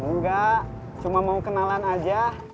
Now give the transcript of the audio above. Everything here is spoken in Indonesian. enggak cuma mau kenalan aja